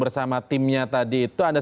bersama timnya tadi itu anda